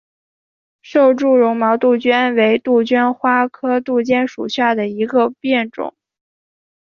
瘦柱绒毛杜鹃为杜鹃花科杜鹃属下的一个变种。